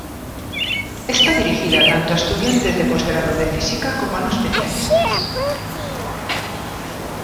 Está dirigida tanto a estudiantes de posgrado de física como a no especialistas.